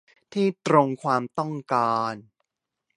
ที่ตรงความต้องการ